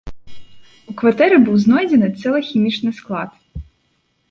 У кватэры быў знойдзены цэлы хімічны склад.